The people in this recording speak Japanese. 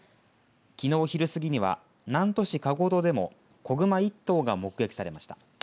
きのう昼過ぎには南砺市篭渡でも子熊１頭が目撃されました。